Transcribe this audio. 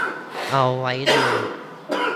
เอาไว้ดู